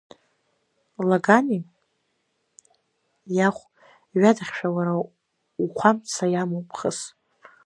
Лагани иахә ҩадахьшәа уара ухәамца иамоуп хыс.